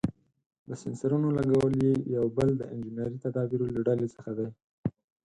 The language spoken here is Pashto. د سېنسرونو لګول یې یو بل د انجنیري تدابیرو له ډلې څخه دی.